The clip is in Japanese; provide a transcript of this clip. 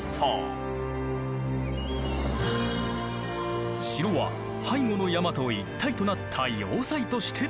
城は背後の山と一体となった要塞としてつくられた。